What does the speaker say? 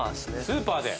スーパーで。